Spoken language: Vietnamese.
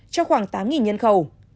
cho khoảng tám nhân khẩu